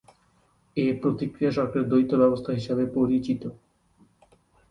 এ প্রক্রিয়া সরকারের দ্বৈত ব্যবস্থা হিসেবে পরিচিত।